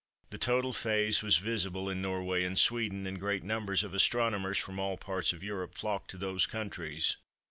The total phase was visible in Norway and Sweden, and great numbers of astronomers from all parts of Europe flocked to those countries.